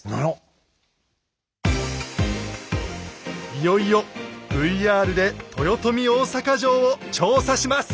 いよいよＶＲで豊臣大坂城を調査します。